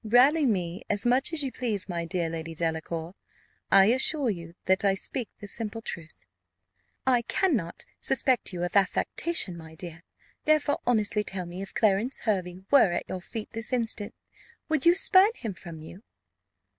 "Rally me as much as you please, my dear Lady Delacour, I assure you that I speak the simple truth." "I cannot suspect you of affectation, my dear. Therefore honestly tell me, if Clarence Hervey were at your feet this instant, would you spurn him from you?"